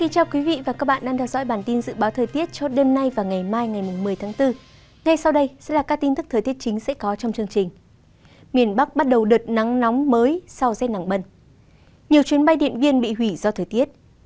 các bạn hãy đăng ký kênh để ủng hộ kênh của chúng mình nhé